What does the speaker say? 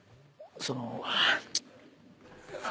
その。